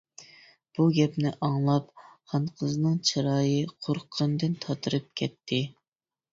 بۇ گەپنى ئاڭلاپ خانقىزنىڭ چىرايى قورققىنىدىن تاتىرىپ كەتتى.